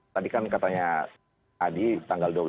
tadi kan katanya adi tanggal dua belas